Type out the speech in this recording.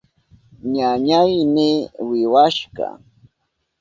Ñañayni wiwawashka.